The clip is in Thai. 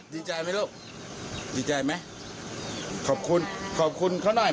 ดีใจไหมลูกดีใจไหมขอบคุณขอบคุณเขาหน่อย